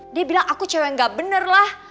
dia bilang aku cewek gak bener lah